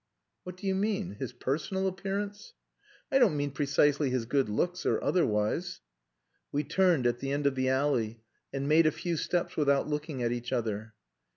"What do you mean? His personal appearance?" "I don't mean precisely his good looks, or otherwise." We turned at the end of the alley and made a few steps without looking at each other.